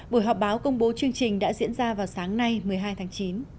buổi họp báo công bố chương trình đã diễn ra vào sáng nay một mươi hai tháng chín